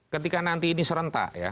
ketika nanti ini serentak ya